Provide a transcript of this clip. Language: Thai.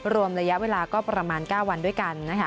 รวมระยะเวลาก็ประมาณ๙วันด้วยกันนะคะ